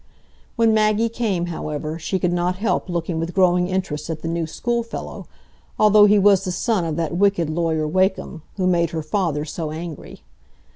When Maggie came, however, she could not help looking with growing interest at the new schoolfellow, although he was the son of that wicked Lawyer Wakem, who made her father so angry.